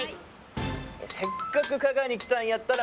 「せっかく加賀に来たんやったら」